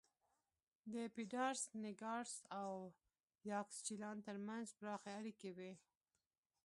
د پېډراس نېګراس او یاکسچیلان ترمنځ پراخې اړیکې وې